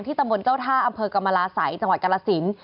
ตำบลเจ้าท่าอำเภอกรรมราศัยจังหวัดกรสิน